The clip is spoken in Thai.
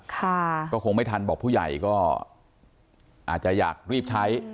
ค่ะก็คงไม่ทันบอกผู้ใหญ่ก็อาจจะอยากรีบใช้